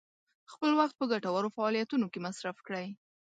خپل وخت په ګټورو فعالیتونو کې مصرف کړئ.